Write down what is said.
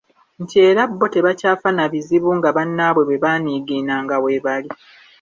Nti era bo tebakyafa na bizibu nga bannaabwe bwe baaniigiinanga weebali.